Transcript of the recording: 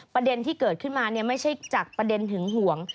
ประเด็นที่เกิดขึ้นมาไม่ใช่จากประเด็นหึงห่วง